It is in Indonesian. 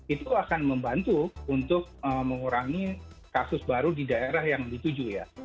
itu akan membantu untuk mengurangi kasus baru di daerah yang dituju ya